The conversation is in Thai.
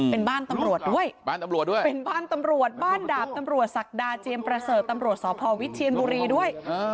เป็นบ้านตำรวจด้วยบ้านตำรวจด้วยเป็นบ้านตำรวจบ้านดาบตำรวจศักดาเจียมประเสริฐตำรวจสพวิเชียนบุรีด้วย